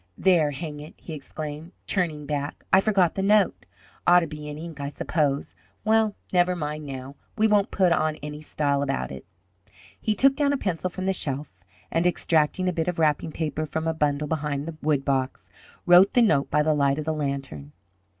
"There, hang it!" he exclaimed, turning back. "I forgot the note. Ought to be in ink, I suppose. Well, never mind now; we won't put on any style about it." He took down a pencil from the shelf, and, extracting a bit of wrapping paper from a bundle behind the woodbox, wrote the note by the light of the lantern.